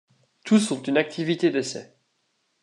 Tous ont une activité d'essais.